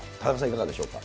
いかがでしょうか。